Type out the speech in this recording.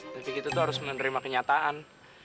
tapi kita tuh harus menerima kenyataan